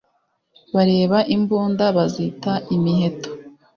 Bareba imbunda, bazita imiheto,